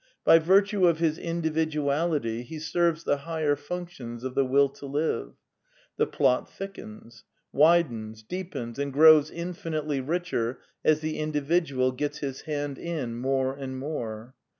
By virtue of his individuality he serves the higher functions of the Will to live. The plot thickens, widens, deepens, and grows infinitely richer as the indi vidual gets his hand in more and more.